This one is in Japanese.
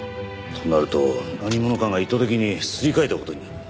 となると何者かが意図的にすり替えた事になるな。